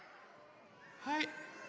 はい。